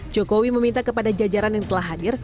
jokowi meminta kepada jajaran yang telah hadir